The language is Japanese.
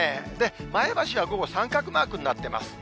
前橋は午後、三角マークになっています。